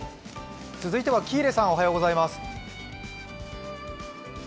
続いては喜入さん、おはようございます。